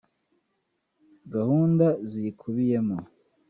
Gahunda ziyikubiyemo